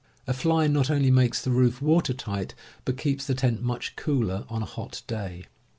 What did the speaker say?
A fly not only makes the roof watertight, but keeps the tent much cooler on a hot day.